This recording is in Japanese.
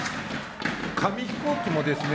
紙飛行機もですね